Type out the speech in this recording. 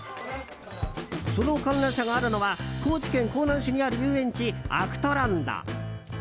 その観覧車があるのは高知県香南市にある遊園地アクトランド。